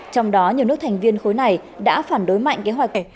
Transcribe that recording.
trong đó nhiều nước thành viên khối này đã phản đối mạnh kế hoạch